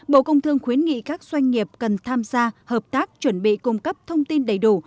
bộ công thương khuyến nghị các doanh nghiệp cần tham gia hợp tác chuẩn bị cung cấp thông tin đầy đủ